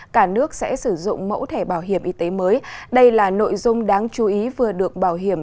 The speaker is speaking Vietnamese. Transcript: cả nước sẽ sử dụng mẫu thẻ bảo hiểm y tế mới đây là nội dung đáng chú ý vừa được bảo hiểm